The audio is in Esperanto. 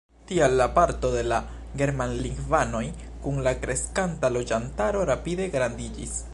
Tial la parto de la germanlingvanoj kun la kreskanta loĝantaro rapide grandiĝis.